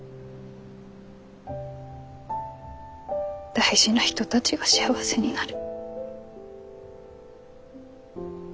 大事な人たちが幸せになる。